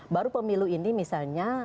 baru pemilu ini misalnya